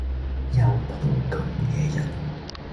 有鋪咁既癮